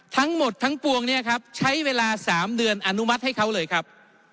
ทั้งหมดทั้งปวงเนี่ยครับใช้เวลา๓เดือนอนุมัติให้เขาเลยครับ